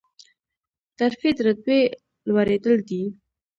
ترفیع د رتبې لوړیدل دي